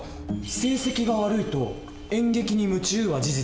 「成績が悪い」と「演劇に夢中」は事実。